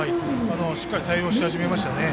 しっかり対応し始めましたね。